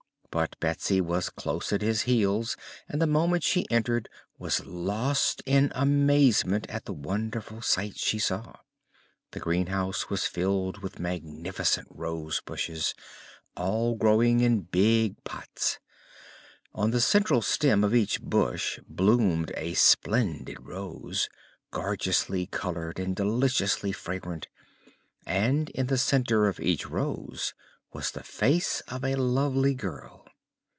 But Betsy was close at his heels and the moment she entered was lost in amazement at the wonderful sight she saw. The greenhouse was filled with magnificent rosebushes, all growing in big pots. On the central stem of each bush bloomed a splendid Rose, gorgeously colored and deliciously fragrant, and in the center of each Rose was the face of a lovely girl.